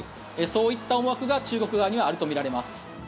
そういった思惑が中国側にはあるとみられます。